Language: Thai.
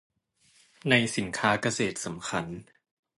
ในสินค้าเกษตรสำคัญ